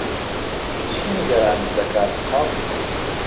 چی نیگەرانت دەکات، قاسم؟